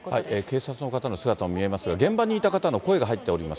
警察の方の姿も見えますが、現場にいた方の声が入っております。